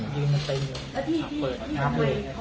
อ๋อตรวจครับ